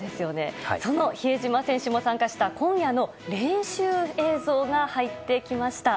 その比江島選手も参加した今夜の練習映像が入ってきました。